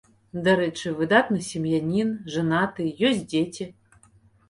Дарэчы, выдатны сем'янін, жанаты, ёсць дзеці.